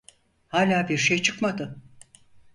Hala bir şey çıkmadı…